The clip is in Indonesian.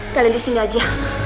kalian disini aja